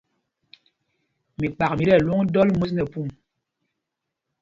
Mikpak mí tí ɛlwôŋ ɗɔl mwes nɛ pum.